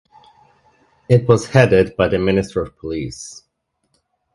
It was headed by the Minister of Police.